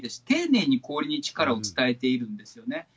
丁寧に氷に力を伝えているんですよね。